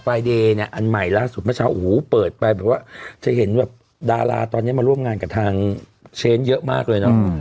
เดย์เนี่ยอันใหม่ล่าสุดเมื่อเช้าโอ้โหเปิดไปแบบว่าจะเห็นแบบดาราตอนนี้มาร่วมงานกับทางเชนเยอะมากเลยเนอะ